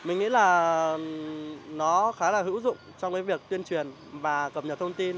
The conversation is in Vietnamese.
nó khá là hữu dụng trong việc tuyên truyền và cập nhật thông tin